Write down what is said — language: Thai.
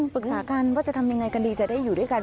ปรึกษากันว่าจะทำยังไงกันดีจะได้อยู่ด้วยกัน